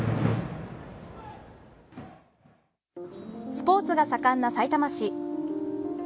スポーツが盛んな、さいたま市。